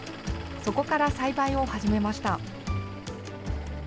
そこから栽培を始めました。